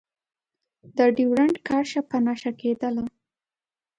د ډیورنډ کرښه په نښه کېدله.